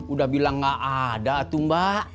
udah bilang gak ada tuh mbak